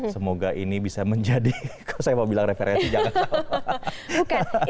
semoga ini bisa menjadi kalau saya mau bilang referensi jangan salah